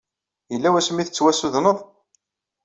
Yella wasmi ay tettwassudned?